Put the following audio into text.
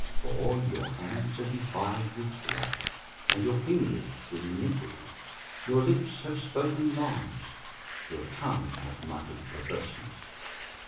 23:059:003 For your hands are defiled with blood, and your fingers with iniquity; your lips have spoken lies, your tongue hath muttered perverseness.